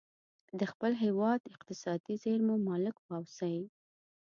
د خپل هیواد اقتصادي زیرمو مالک واوسي.